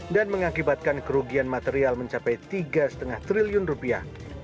dan mengakibatkan kerugian material mencapai tiga lima triliun rupiah